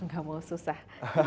ga mau susah